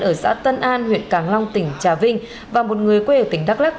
ở xã tân an huyện càng long tỉnh trà vinh và một người quê ở tỉnh đắk lắc